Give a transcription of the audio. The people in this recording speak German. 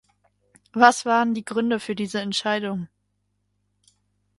Was waren die Gründe für diese Entscheidung?